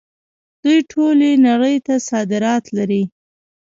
دوی ټولې نړۍ ته صادرات لري.